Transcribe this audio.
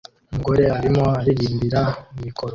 Umugore arimo aririmbira mikoro